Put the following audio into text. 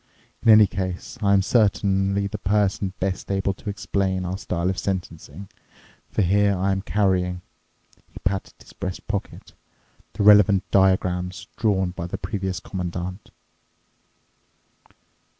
In any case, I am certainly the person best able to explain our style of sentencing, for here I am carrying"—he patted his breast pocket—"the relevant diagrams drawn by the previous Commandant."